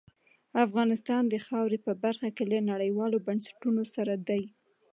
افغانستان د خاورې په برخه کې له نړیوالو بنسټونو سره دی.